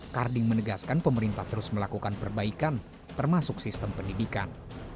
karding menegaskan pemerintah terus melakukan perbaikan termasuk sistem pendidikan